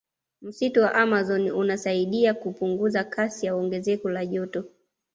Msitu wa amazon unasaidia kupunguza kasi ya ongezeko la joto